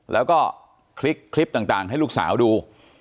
แล้วก็คลิกคลิปต่างให้ลูกสาวดู